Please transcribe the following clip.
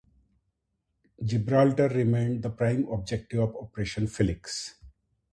Gibraltar remained the prime objective of Operation Felix.